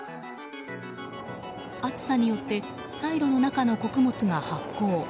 暑さによってサイロの中の穀物が発酵。